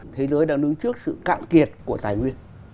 thế giới đang đứng trước sự cạn kiệt của tài nguyên